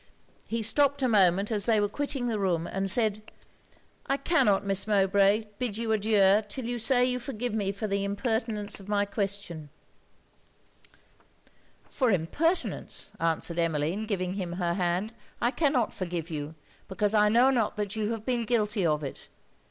He stopped a moment as they were quitting the room, and said 'I cannot, Miss Mowbray, bid you adieu till you say you forgive me for the impertinence of my questions.' 'For impertinence?' answered Emmeline, giving him her hand 'I cannot forgive you, because I know not that you have been guilty of it.